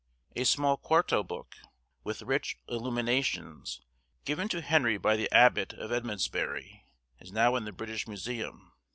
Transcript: A small quarto book, with rich illuminations, given to Henry by the abbot of Edmundsbury, is now in the British Museum.